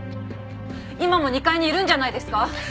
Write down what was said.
今も２階にいるんじゃないですか？